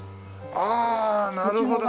ああなるほど。